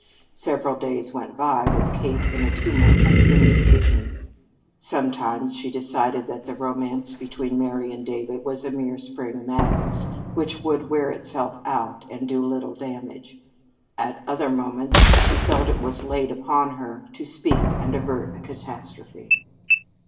Several days went by with Kate in a tumult of indecision. Sometimes she decided that the romance between Mary and David was a mere spring madness, which would wear itself out and do little damage. At other moments she felt it was laid upon her to speak and avert a catastrophe.